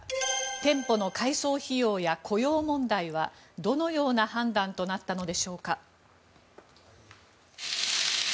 店舗の改装費用や雇用問題はどのような判断となったのでしょうか。